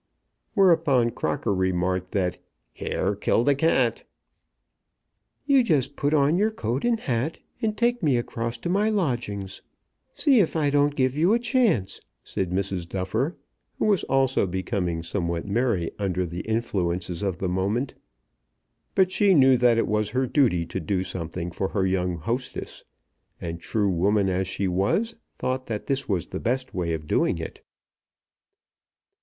Whereupon Crocker remarked that "care killed a cat." "You just put on your coat and hat, and take me across to my lodgings. See if I don't give you a chance," said Mrs. Duffer, who was also becoming somewhat merry under the influences of the moment. But she knew that it was her duty to do something for her young hostess, and, true woman as she was, thought that this was the best way of doing it.